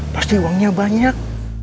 pasti uangnya banyak